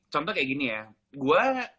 contoh kayak gini ya gue